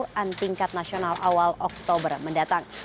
dan tingkat nasional awal oktober mendatang